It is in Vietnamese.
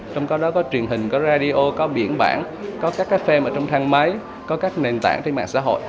trong đó có truyền hình có radio có biển bản có các cái fem ở trong thang máy có các nền tảng trên mạng xã hội